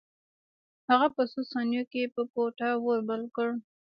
هغه په څو ثانیو کې په کوټه اور بل کړ